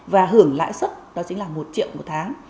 và hưởng lãi suất đó chính là một triệu một tháng